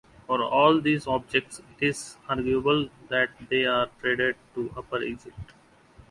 For all these objects it is arguable that they were traded to Upper Egypt.